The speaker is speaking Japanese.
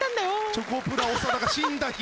チョコプラ長田が死んだ日。